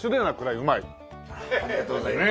ありがとうございます。